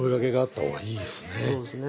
そうですね。